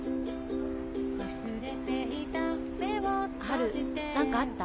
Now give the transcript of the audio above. ハル何かあった？